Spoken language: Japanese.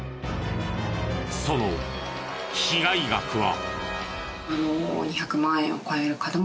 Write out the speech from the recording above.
その被害額は。